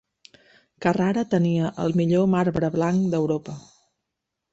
Carrara tenia el millor marbre blanc d'Europa.